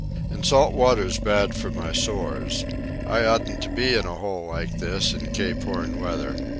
And salt water's bad for my sores. I oughtn't to be in a hole like this in Cape Horn weather.